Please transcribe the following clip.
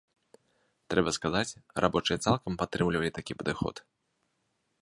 Трэба сказаць, рабочыя цалкам падтрымлівалі такі падыход.